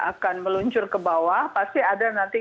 akan meluncur ke bawah pasti ada nanti